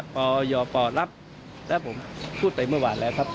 ปยปรับและผมพูดไปเมื่อวานแล้วครับ